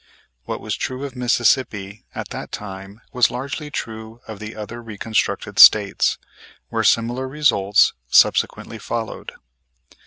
What was true of Mississippi at that time was largely true of the other Reconstructed States where similar results subsequently followed.